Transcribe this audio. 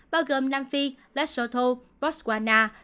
bao gồm nam phi laxoto botswana